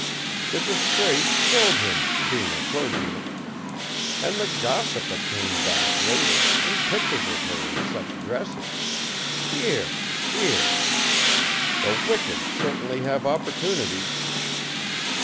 The disgrace killed him, being a clergyman. An' the gossip that came back, later, an' pictures of her in such dresses! Dear! Dear! The wicked certainly have opportunities."